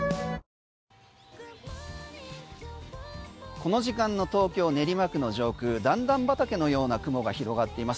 この時間の東京・練馬区の上空段々畑のような雲が広がっています。